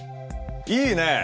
いいね！